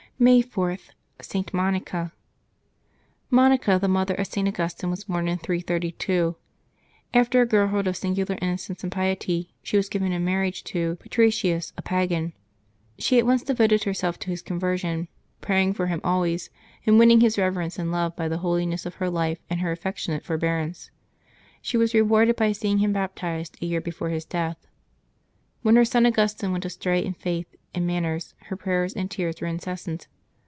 '' May 4.— ST. MONICA. yjlJoNiCA, the mother of St. Augustine, was born in 332. >*< After a girlhood of singular innocence and piety, she was given in marriage to Patritius, a pagan. She at once devoted herself to his conversion, praying for him always, May 5] L1YE8 OF TEE SAINTS 169 and winning his reverence and love by the holiness of her life and her affectionate forbearance. She was re warded by seeing him baptized a year before his death. When her son Augustine went astray in faith and man ners her prayers and tears were incessant.